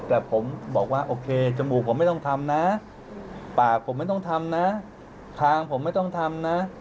แต่ผมบอกว่าโอเคจมูกผมไม่ต้องทำนะปากผมไม่ต้องทำนะคางผมไม่ต้องทำนะ